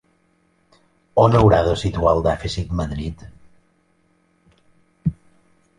On haurà de situar el dèficit Madrid?